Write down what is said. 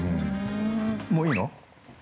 もういいの？